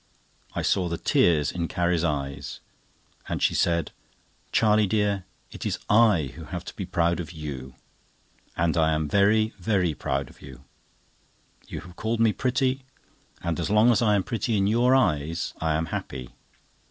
I saw the tears in Carrie's eyes, and she said: "Charlie dear, it is I who have to be proud of you. And I am very, very proud of you. You have called me pretty; and as long as I am pretty in your eyes, I am happy.